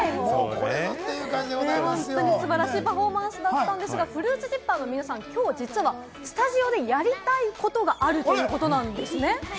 本当に素晴らしいパフォーマンスだったんですが、ＦＲＵＩＴＳＺＩＰＰＥＲの皆さん、きょう実はスタジオでやりたいことがあるということなんですね。